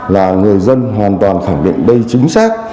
là người dân hoàn toàn khẳng định đây chính xác